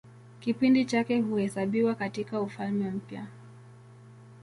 Kipindi chake huhesabiwa katIka Ufalme Mpya.